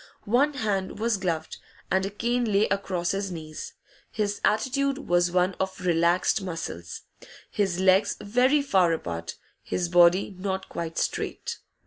One hand was gloved, and a cane lay across his knees. His attitude was one of relaxed muscles, his legs very far apart, his body not quite straight.